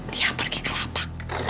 dia pergi kelapa